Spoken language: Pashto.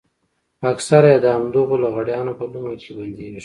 اکثره يې د همدغو لغړیانو په لومه کې بندېږي.